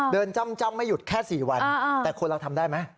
เดินจ้ำไม่หยุดแค่๔วันแต่คุณล่ะทำได้ไหม